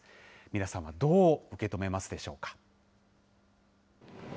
皆さんはどう受け止めますでしょうか。